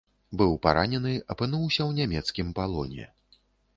Быў паранены, апынуўся ў нямецкім палоне.